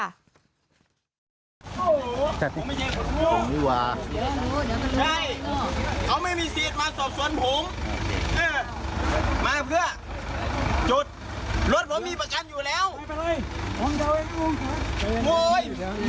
อย่ายายถ้าไม่รู้เรื่องกฎหมาย